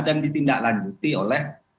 dan ditindaklanjuti oleh